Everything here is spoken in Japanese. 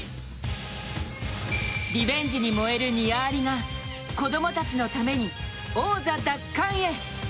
リベンジに燃えるニア・アリが子供たちのために王座奪還へ。